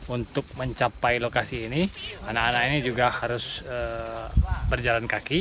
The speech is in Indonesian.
untuk mencapai lokasi ini anak anak ini juga harus berjalan kaki